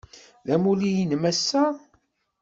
D amulli-nnem ass-a?